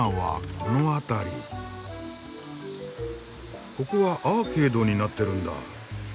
ここはアーケードになってるんだ。